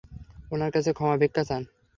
উনার কাছে ক্ষমা ভিক্ষা চান!